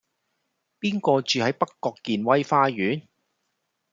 邊個住喺北角健威花園